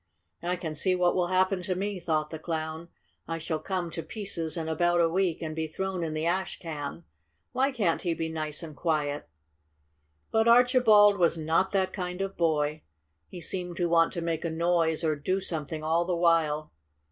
"I can see what will happen to me," thought the Clown. "I shall come to pieces in about a week, and be thrown in the ash can. Why can't he be nice and quiet?" But Archibald was not that kind of boy. He seemed to want to make a noise or do something all the while.